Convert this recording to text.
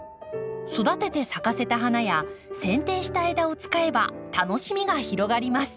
育てて咲かせた花やせん定した枝を使えば楽しみが広がります。